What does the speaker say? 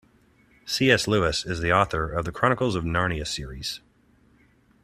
C.S. Lewis is the author of The Chronicles of Narnia series.